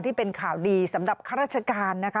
ที่เป็นข่าวดีสำหรับข้าราชการนะคะ